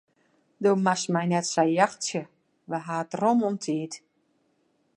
Do moatst my net sa jachtsje, we hawwe it rûm oan tiid.